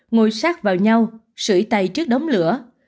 ngồi sát vào nhau sửa tay trước đóng lửa